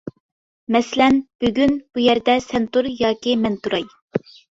مەسىلەن: بۈگۈن بۇ يەردە سەن تۇر ياكى مەن تۇراي.